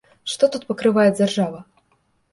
Што тут пакрывае дзяржава?